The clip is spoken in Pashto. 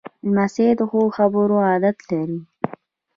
لمسی د ښو خبرو عادت لري.